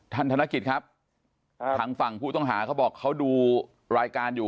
ธนกิจครับทางฝั่งผู้ต้องหาเขาบอกเขาดูรายการอยู่